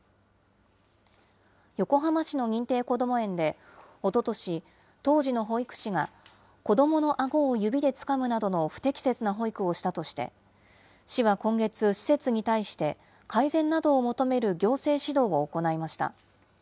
横浜市の認定こども園で、おととし、当時の保育士が、子どものあごを指でつかむなどの不適切な保育をしたとして、市は今月、施設に対して、改善などを求める行政指導を行いました。